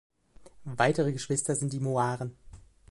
Weitere Geschwister sind die Moiren.